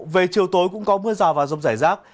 về chiều tối cũng có mưa rào và rông rải rác